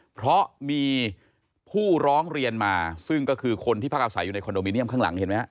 เพราะมีผู้ร้องเรียนมาซึ่งก็คือคนที่พักอาศัยอยู่ในคอนโดมิเนียมข้างหลังเห็นไหมฮะ